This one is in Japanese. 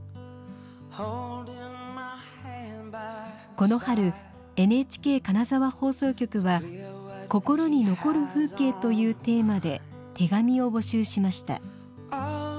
この春ＮＨＫ金沢放送局は心に残る風景というテーマで手紙を募集しました。